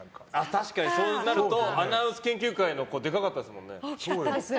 確かに、そうなるとアナウンス研究会の子大きかったよね。